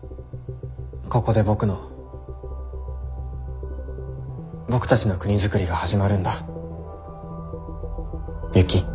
ここで僕の僕たちの国づくりが始まるんだユキ。